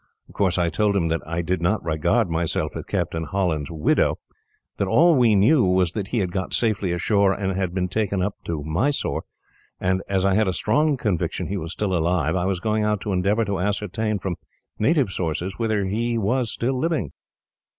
Of course, I told him that I did not regard myself as Captain Holland's widow that all we knew was that he had got safely ashore, and had been taken up to Mysore; and, as I had a strong conviction he was still alive, I was going out to endeavour to ascertain, from native sources, whether he was still living.